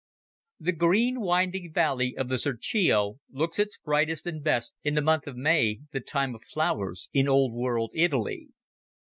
The green, winding valley of the Serchio looks its brightest and best in the month of May the time of flowers in old world Italy.